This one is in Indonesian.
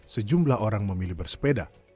sejumlah orang memilih bersepeda